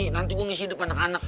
nanti gua ngisi di depan anak anak